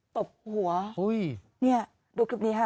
ตบหัวเนี่ยดูคลิปนี้ค่ะ